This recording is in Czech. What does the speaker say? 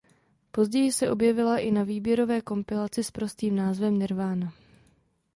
Později se objevila i na výběrové kompilaci s prostým názvem "Nirvana".